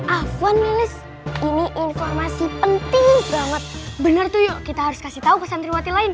afons ini informasi penting banget bener tuh yuk kita harus kasih tahu ke santriwati lain